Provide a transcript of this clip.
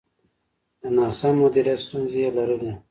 د ناسم مدیریت ستونزې یې لرلې.